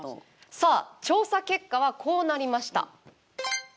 さあ、調査結果はこうなりました。